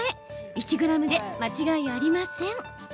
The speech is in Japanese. １ｇで間違いありません。